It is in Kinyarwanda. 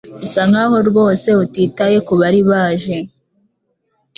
Usa nkaho rwose utitaye kubari baje